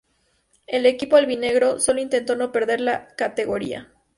El equipo albinegro solo intentó no perder la categoría.